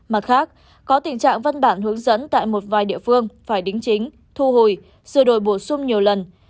mặt khác có tình trạng văn bản hướng dẫn tại một vài địa phương phải đính chính thu hồi sửa đổi bổ sung nhiều lần